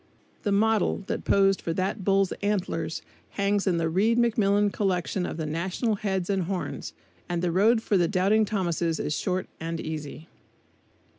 The model that posed for that bull's antlers hangs in the Reed McMillin collection of the National Heads and Horns, in the next room to mine, and the road for the doubting Thomases is short and easy.